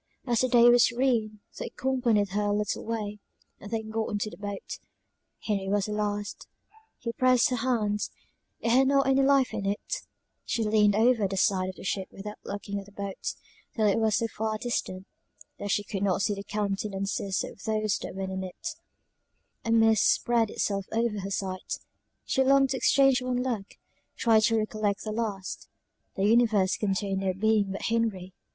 As the day was serene, they accompanied her a little way, and then got into the boat; Henry was the last; he pressed her hand, it had not any life in it; she leaned over the side of the ship without looking at the boat, till it was so far distant, that she could not see the countenances of those that were in it: a mist spread itself over her sight she longed to exchange one look tried to recollect the last; the universe contained no being but Henry!